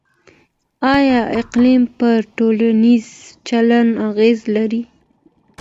آيا اقليم پر ټولنيز چلند اغېز لري؟